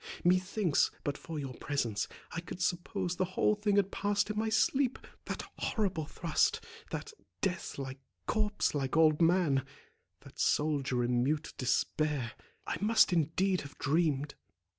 Methinks, but for your presence, I could suppose the whole had passed in my sleep; that horrible thrust—that death like, corpse like old man—that soldier in mute despair; I must indeed have dreamed."